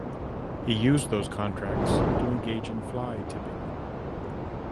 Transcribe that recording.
He used those contracts to engage in fly tipping.